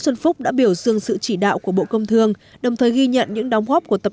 nguyễn phúc đã biểu dương sự chỉ đạo của bộ công thương đồng thời ghi nhận những đóng góp của tập